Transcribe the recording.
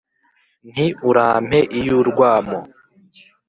nti urampe iyu rwamo